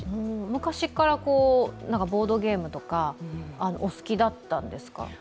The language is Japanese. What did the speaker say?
昔からボードゲームとかお好きだったんですか？